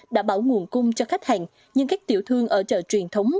đảm bảo nguồn cung cho khách hàng nhưng các tiểu thương ở chợ truyền thống